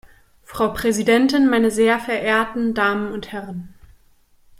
Frau Präsidentin, meine sehr verehrten Damen und Herren!